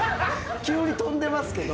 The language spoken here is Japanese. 急に飛んでますけど。